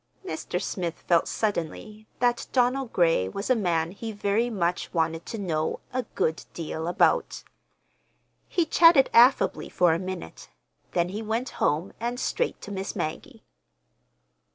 Mr. Smith felt suddenly that Donald Gray was a man he very much wanted to know—a good deal about. He chatted affably for a minute. Then he went home and straight to Miss Maggie.